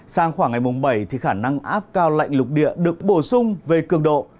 sang khoảng ngày bảy khả năng áp cao lạnh lục địa được bổ sung về cường độ